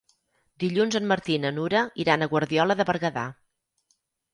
Dilluns en Martí i na Nura iran a Guardiola de Berguedà.